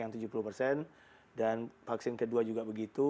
yg tersedia juga